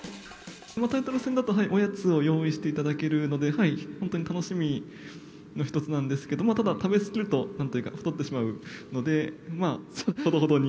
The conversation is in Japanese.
タイトル戦だと、おやつを用意していただけるので、本当に楽しみの一つなんですけど、ただ、食べ過ぎると、なんというか、太ってしまうので、まあほどほどに。